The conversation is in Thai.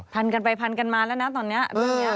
พันกันไปพันกันมาแล้วนะตอนนี้